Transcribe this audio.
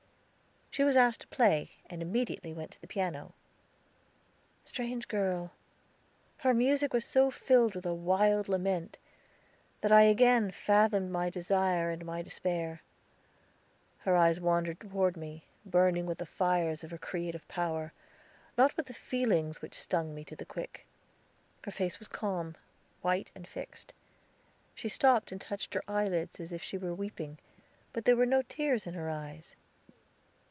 She was asked to play, and immediately went to the piano. Strange girl; her music was so filled with a wild lament that I again fathomed my desires and my despair. Her eyes wandered toward me, burning with the fires of her creative power, not with the feelings which stung me to the quick. Her face was calm, white, and fixed. She stopped and touched her eyelids, as if she were weeping, but there were no tears in her eyes.